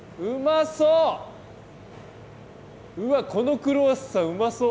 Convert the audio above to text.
うわっこのクロワッサンうまそう！